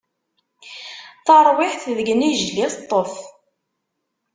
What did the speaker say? Tarwiḥt deg inijel i teṭṭef.